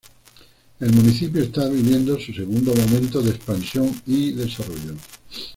El municipio está viviendo su segundo momento de expansión y desarrollo.